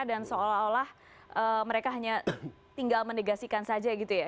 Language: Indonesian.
dan seolah olah mereka hanya tinggal menegasikan saja gitu ya